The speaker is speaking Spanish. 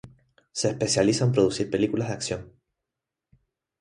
Se especializa en producir películas de acción.